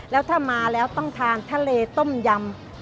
แล้วถ้ามาแล้วต้องทานทะเลต้มยำ